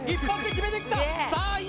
１発で決めてきたさあ